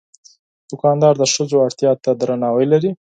دوکاندار د ښځو اړتیا ته درناوی لري.